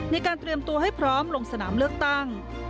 ในการเตรียมตัวให้พร้อมลงสนามเลือกตั้ง